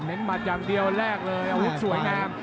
หมัดอย่างเดียวแรกเลยอาวุธสวยงาม